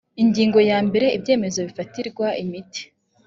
ingingo yambere ibyemezo bifatirwa imiti